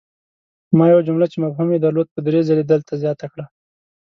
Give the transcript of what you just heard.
ما یوه جمله چې مفهوم ېې درلود په دري ځلې دلته زیاته کړه!